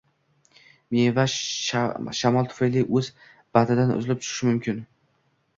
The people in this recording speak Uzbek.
Meva shamol tufayli oʻz bandidan uzilib tushishi mumkin